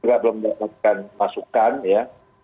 juga belum dikutukan masukan ya